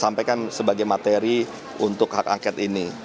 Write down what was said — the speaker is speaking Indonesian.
sampaikan sebagai materi untuk hak angket ini